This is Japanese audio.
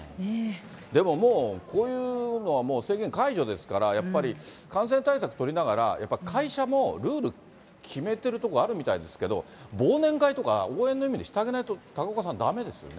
でももう、こういうのはもう制限解除ですから、やっぱり感染対策取りながら、やっぱり会社もルール決めてるところあるみたいですけど、忘年会とか、応援の意味でしてあげないと、高岡さん、だめですよね。